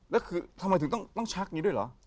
แล้วคือทำไมถึงต้องชักอย่างนี้ด้วยเหรอ